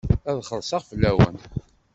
Ad xellṣeɣ fell-awen.